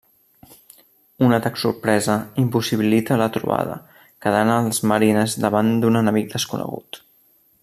Un atac sorpresa impossibilita la trobada, quedant els marines davant d'un enemic desconegut.